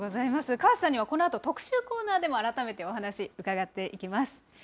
河瀬さんにはこのあと、特集コーナーでも改めてお話、伺っていきます。